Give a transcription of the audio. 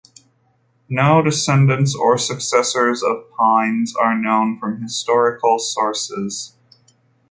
No descendants or successors of Pinnes are known from historical sources.